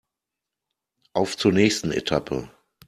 Auf zur nächsten Etappe!